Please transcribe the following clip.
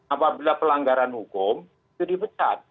apabila pelanggaran hukum itu dipecat